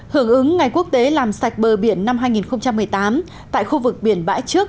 hưởng ứng ngày quốc tế làm sạch bờ biển năm hai nghìn một mươi tám tại khu vực biển bãi trước